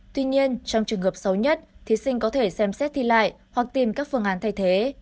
tuy nhiên trong trường hợp xấu nhất thí sinh có thể xem xét thi lại hoặc tìm các phương án thay thế